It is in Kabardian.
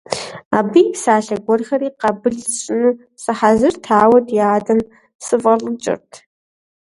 Абы и псалъэ гуэрхэри къабыл сщӀыну сыхьэзырт, ауэ ди адэм сыфӏэлӏыкӏырт.